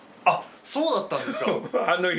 そうだったんですか。